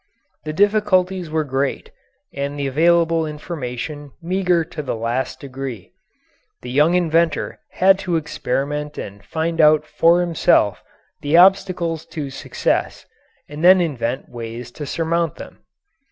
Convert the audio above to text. The difficulties were great and the available information meager to the last degree. The young inventor had to experiment and find out for himself the obstacles to success and then invent ways to surmount them.